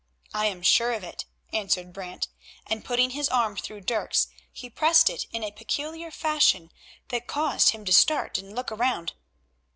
"I am sure of it," answered Brant, and putting his arm through Dirk's he pressed it in a peculiar fashion that caused him to start and look round.